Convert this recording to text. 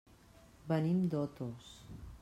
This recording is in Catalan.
Venim d'Otos.